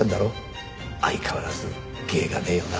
相変わらず芸がねえよな。